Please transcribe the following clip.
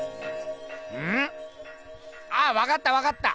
うん？あっわかったわかった！